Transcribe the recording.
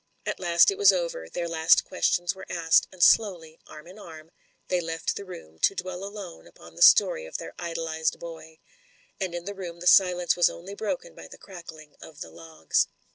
At last it was over ; their last questions were asked, and slowly, arm in arm, they left the ro<xn, to dwell THE FATAL SECOND 113 alone upon the story of their idolised boy. And in the room the silence was only broken by the crackling of the logs.